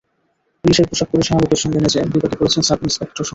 পুলিশের পোশাক পরে শাহরুখের সঙ্গে নেচে বিপাকে পড়েছেন সাব-ইন্সপেক্টর শম্পা হালদার।